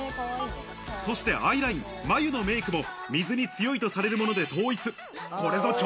そしてアイライン、眉のメイクも水に強いとされるもので統一。